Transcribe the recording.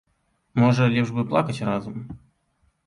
Можа, лепш бы плакаць разам?